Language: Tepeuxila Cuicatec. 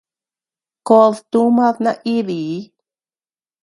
Kód tumad naídii.